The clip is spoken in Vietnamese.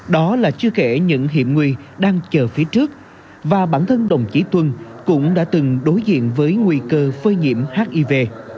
đó là chưa kể những hiểm nguy đang chờ phía trước và bản thân đồng chí tuân cũng đã từng đối diện với nguy cơ phơi nhiễm hiv